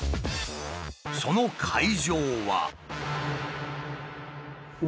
その会場は。